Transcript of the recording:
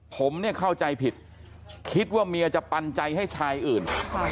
ผมเนี่ยเข้าใจผิดคิดว่าเมียจะปันใจให้ชายอื่น